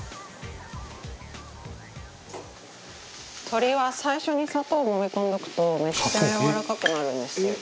鶏は最初に砂糖をもみ込んでおくとめっちゃやわらかくなるんですよ。